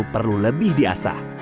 tapi perlu lebih diasah